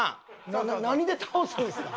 な何で倒すんですか？